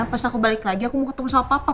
pas aku balik lagi aku mau ketemu sama papa